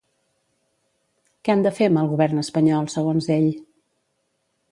Què han de fer amb el Govern espanyol, segons ell?